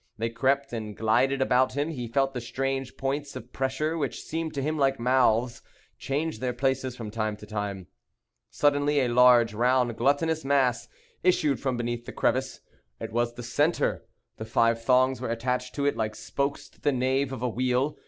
They crept and glided about him; he felt the strange points of pressure, which seemed to him like mouths, change their places from time to time. Suddenly a large, round, glutinous mass issued from beneath the crevice. It was the centre; the five thongs were attached to it like spokes to the nave of a wheel.